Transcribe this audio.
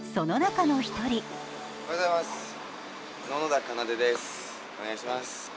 おはようございます。